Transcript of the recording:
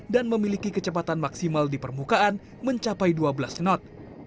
dan memiliki kecepatan maksimal di permukaan mencapai dua belas knot